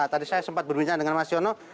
tadi saya sempat berbincang dengan mas yono